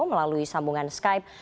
melalui sambungan skype